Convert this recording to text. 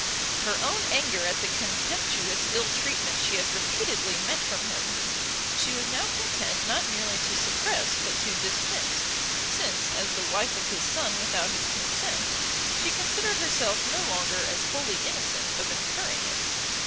Her own anger at the contemptuous ill treatment she had repeatedly met from him, she was now content not merely to suppress but to dismiss, since, as the wife of his son without his consent, she considered herself no longer as wholly innocent of incurring it.